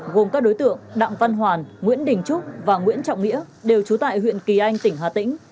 gồm các đối tượng đặng văn hoàn nguyễn đình trúc và nguyễn trọng nghĩa đều trú tại huyện kỳ anh tỉnh hà tĩnh